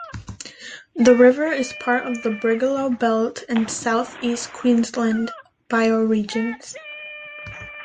The river is part of the Brigalow Belt and South East Queensland bioregions.